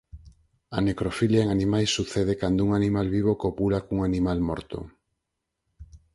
A necrofilia en animais sucede cando un animal vivo copula cun animal morto.